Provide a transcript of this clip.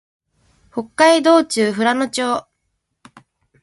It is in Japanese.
北海道中富良野町